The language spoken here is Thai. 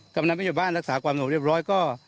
กรรมนักพยาบาลรักษาความสมบูรณ์เรียบร้อยก็